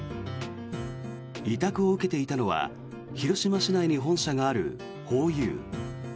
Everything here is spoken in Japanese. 委託を受けていたのは広島市内に本社があるホーユー。